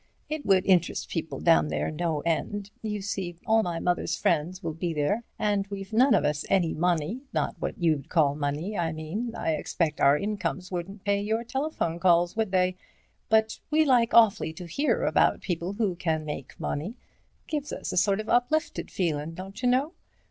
It would interest people down there no end. You see, all my mother's friends will be there, and we've none of us any money—not what you'd call money, I mean—I expect our incomes wouldn't pay your telephone calls, would they?—but we like awfully to hear about the people who can make money. Gives us a sort of uplifted feelin', don't you know.